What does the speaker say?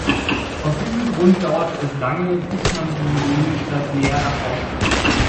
Aus diesem Grund dauerte es lange, bis man die Ruinenstadt näher erforschte.